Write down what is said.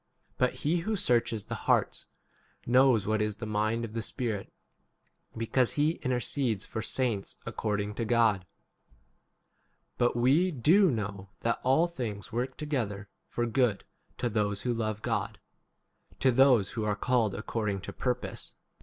27 But he who searches the hearts knows what [is] the mind of the Spirit, because he intercedes for 28 saints according to God. But we dos know that all things work together for good to those who love God, to those who are called 29 according to purpose.